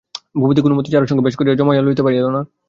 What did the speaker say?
ভূপতি কোনোমতেই চারুর সঙ্গে বেশ করিয়া জমাইয়া লইতে পারিল না।